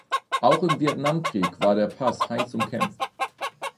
Auch im Vietnamkrieg war der Pass heiß umkämpft.